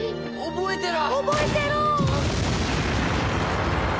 覚えてろ！